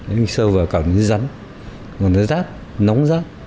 anh sơ vào cảm thấy rắn nó rát nóng rát